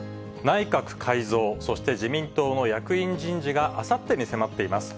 内閣改造、そして、自民党の役員人事があさってに迫っています。